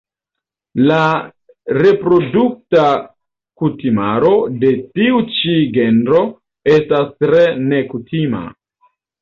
La reprodukta kutimaro de tiu ĉi genro estas tre nekutima.